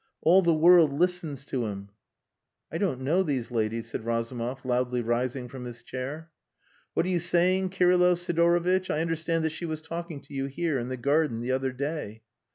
"All the world listens to him." "I don't know these ladies," said Razumov loudly rising from his chair. "What are you saying, Kirylo Sidorovitch? I understand that she was talking to you here, in the garden, the other day."